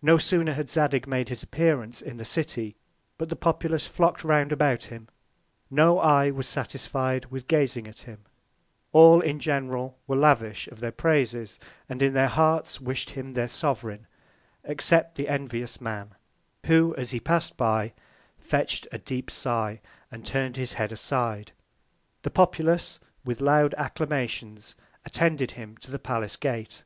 No sooner had Zadig made his Appearance in the City, but the Populace flock'd round about him: No Eye was satisfied with gazing at him: All in general were lavish of their Praises, and in their Hearts wish'd him their Sovereign, except the envious Man, who as he pass'd by, fetch'd a deep Sigh, and turn'd his Head aside. The Populace with loud Acclamations attended him to the Palace Gate.